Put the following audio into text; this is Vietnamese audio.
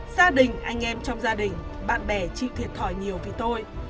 gia đình anh em trong gia đình bạn bè chịu thiệt thòi nhiều vì tôi